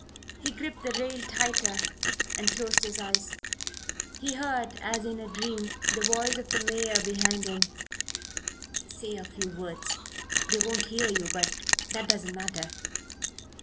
He gripped the rail tighter and closed his eyes. He heard as in a dream the voice of the mayor behind him: "Say a few words. They won't hear you but that doesn't matter."